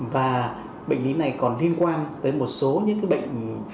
và bệnh lý này còn liên quan tới một số những bệnh